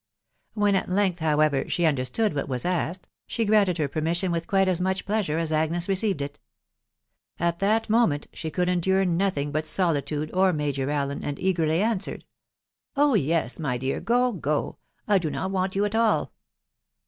When at length, however, she understood what was. asked, she granted her permission with quite as much pleasure as Agnes received it. At that moment she could endure no thing but solitude, or Major Allen, and eagerly answered •... <f Oh yes, my dear ! go, go ; I do not want you at all."